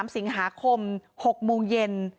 ๓สิงหาคม๖โมงเย็น